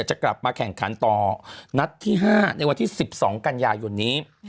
จะกลับมาแข่งขันต่อนัดที่๕ในวันที่๑๒กันยายนนี้